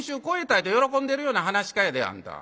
いうて喜んでるような噺家やであんた。